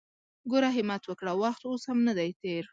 ګوره همت وکړه! وخت اوس هم ندی تېر!